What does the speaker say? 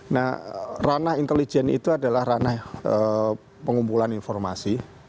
nah ranah intelijen itu adalah ranah pengumpulan informasi